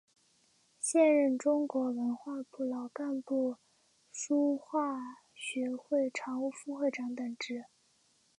现任中国文化部老干部书画学会常务副会长等职。